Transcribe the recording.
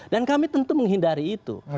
dan kami tentu menghindari itu